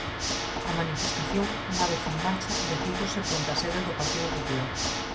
A manifestación, unha vez en marcha, detívose fronte á sede do Partido Popular.